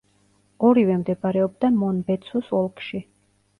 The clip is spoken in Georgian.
ორივე მდებარეობდა მონბეცუს ოლქში.